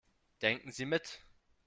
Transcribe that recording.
Denken Sie mit.